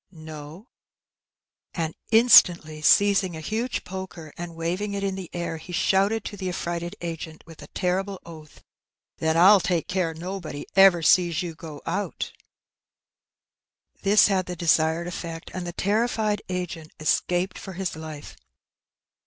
'" No/^ And instantly seizing a huge poker and waving it in the air, he shouted to the affrighted agent, with a terrible oath, ''Then I'll take care nobody ever sees you go out/^ This had the desired effect, and the terrified agent escaped for his life.